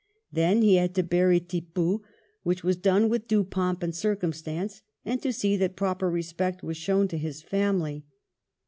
Then he had to bury Tippoo, which was done with due pomp and circumstance, and to see that proper respect was shown to his family.